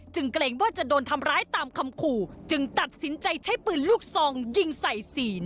เกรงว่าจะโดนทำร้ายตามคำขู่จึงตัดสินใจใช้ปืนลูกซองยิงใส่ศีล